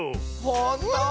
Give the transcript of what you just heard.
ほんとう